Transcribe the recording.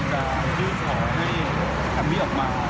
ความพุทธรรมกับดวงตาคือไหน